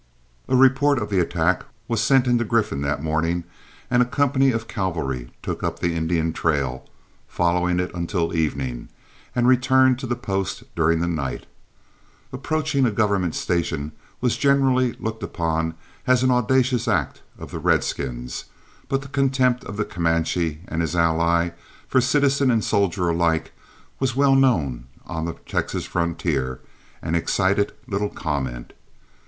A report of the attack was sent into Griffin that morning, and a company of cavalry took up the Indian trail, followed it until evening, and returned to the post during the night. Approaching a government station was generally looked upon as an audacious act of the redskins, but the contempt of the Comanche and his ally for citizen and soldier alike was well known on the Texas frontier and excited little comment.